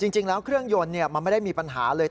จริงแล้วเครื่องยนต์มันไม่ได้มีปัญหาเลย